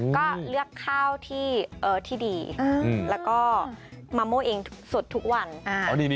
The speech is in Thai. ก็เลือกข้าวที่ดีแล้วก็มาโม่เองสดทุกวัน